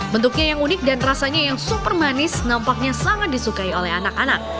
bentuknya yang unik dan rasanya yang super manis nampaknya sangat disukai oleh anak anak